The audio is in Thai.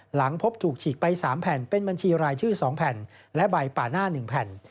หลังพบถูกฉีกไป๓แผ่นเป็นบัญชีรายชื่อ๒แผ่นและใบป่าหน้า๑แผ่น